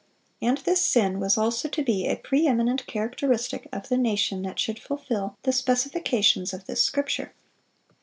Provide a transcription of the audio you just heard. And this sin was also to be a pre eminent characteristic of the nation that should fulfil the specifications of this scripture.